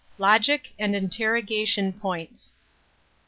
LOGIC AND INTERROGATION POINTS.